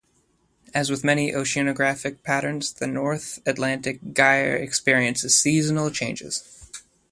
As with many oceanographic patterns, the North Atlantic Gyre experiences seasonal changes.